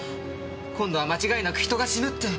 今度は間違いなく人が死ぬって。